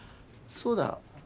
そうだ。